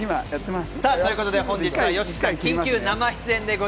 本日はＹＯＳＨＩＫＩさん、緊急生出演です！